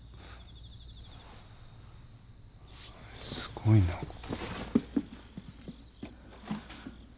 すごいなここ。